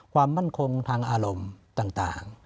ความมั่นคงทางอารมณ์ต่าง